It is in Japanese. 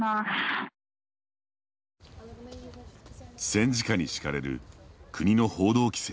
戦時下に敷かれる国の報道規制。